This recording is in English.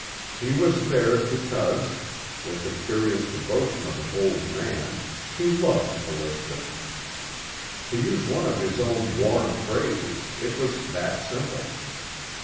He was there because, with the curious devotion of an old man, he loved Callista. To use one of his own worn phrases, it was that simple.